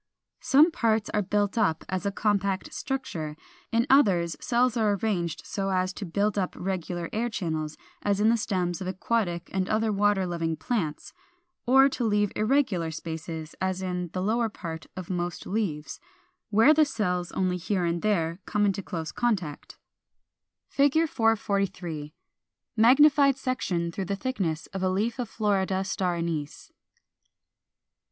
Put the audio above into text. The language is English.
405. Some parts are built up as a compact structure; in others cells are arranged so as to build up regular air channels, as in the stems of aquatic and other water loving plants (Fig. 440), or to leave irregular spaces, as in the lower part of most leaves, where the cells only here and there come into close contact (Fig. 443). [Illustration: Fig. 443. Magnified section through the thickness of a leaf of Florida Star Anise.